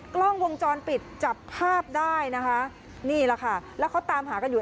กล้องวงจรปิดจับภาพได้นะคะนี่แหละค่ะแล้วเขาตามหากันอยู่